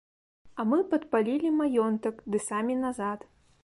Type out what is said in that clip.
А мы падпалілі маёнтак ды самі назад.